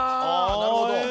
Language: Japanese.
なるほど。